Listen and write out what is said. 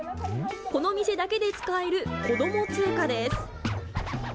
この店だけで使える、子ども通貨です。